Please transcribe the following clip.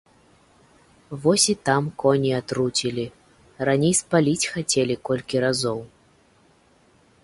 Вось і там коней атруцілі, раней спаліць хацелі колькі разоў.